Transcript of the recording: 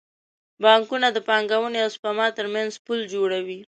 بانکونه د پانګونې او سپما ترمنځ پل جوړوي.